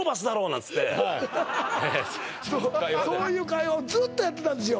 なんつってそうそういう会話をずっとやってたんですよ